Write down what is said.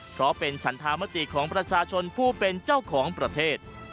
เพราะเป็นฉันธามติของประชาชนผู้เป็นเจ้าของประเทศ